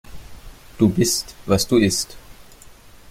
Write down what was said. Du bist, was du isst.